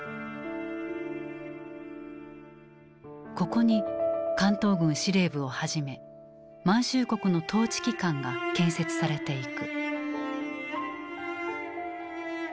ここに関東軍司令部をはじめ満州国の統治機関が建設されていく。